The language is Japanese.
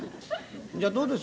「じゃどうです？